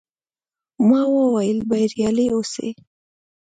ما وویل، بریالي اوسئ.